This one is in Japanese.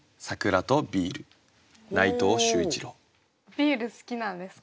ビール好きなんですか？